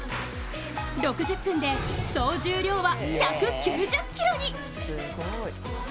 ６０分で総重量は１９０ｋｇに！